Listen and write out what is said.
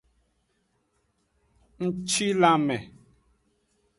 Ngcilanme.